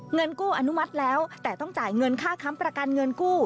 เงินกู้อนุมัติแล้วแต่ต้องจ่ายเงินค่าค้ำประกันเงินกู้